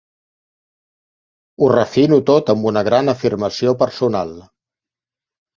Ho refino tot amb una gran afirmació personal.